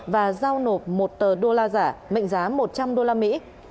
và giao nộp một tờ đô la giả mệnh giá một trăm linh đô la mỹ